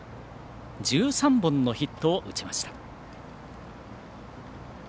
１３本のヒットを打ちました。